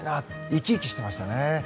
生き生きしていましたね。